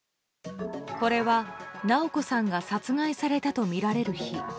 これは、直子さんが殺害されたとみられる日。